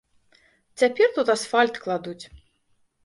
Цяпер тут асфальт кладуць.